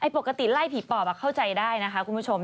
ปกติไล่ผีปอบเข้าใจได้นะคะคุณผู้ชม